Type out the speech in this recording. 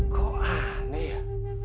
kok aneh ya